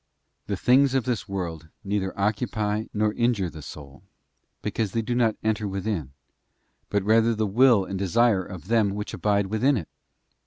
The things of this world neither occupy nor injure the soul, because they do not cntoe within, but rather the will and desire of them which abide within it.